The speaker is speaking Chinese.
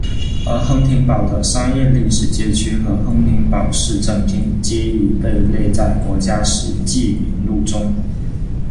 而亨廷堡的商业历史街区和亨廷堡市政厅皆已被列在国家史迹名录中。